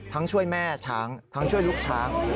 ช่วยแม่ช้างทั้งช่วยลูกช้าง